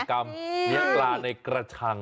กิจกรรมเวียดกลาในกระชัง